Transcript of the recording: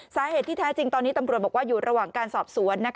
สาเหตุที่แท้จริงตอนนี้ตำรวจบอกว่าอยู่ระหว่างการสอบสวน